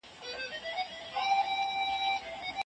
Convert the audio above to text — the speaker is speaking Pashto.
ایا ته زما خبره اورېدلی شې؟